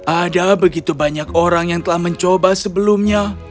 ada begitu banyak orang yang telah mencoba sebelumnya